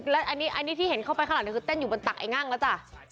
แล้วอันนี้ที่เห็นเข้าไปข้างหลังคือเต้นอยู่บนตักไอ้งั่งแล้วจ้ะ